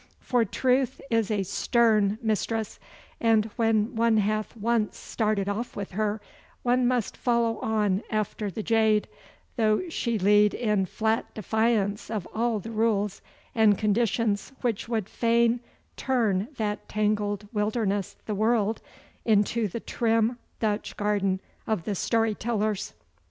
For Truth is a stern mistress, and when one hath once started off with her one must follow on after the jade, though she lead in flat defiance of all the rules and conditions which would fain turn that tangled wilderness the world into the trim Dutch garden of the story tellers.